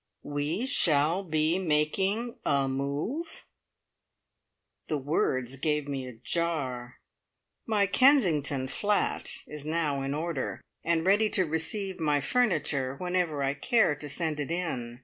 "We shall be making a move." The words gave me a jar. My "Kensington" flat is now in order, and ready to receive my furniture whenever I care to send it in.